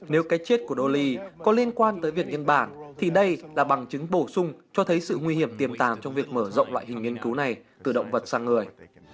nếu cái chết củaoly có liên quan tới việc nhân bản thì đây là bằng chứng bổ sung cho thấy sự nguy hiểm tiềm tàng trong việc mở rộng loại hình nghiên cứu này từ động vật sang người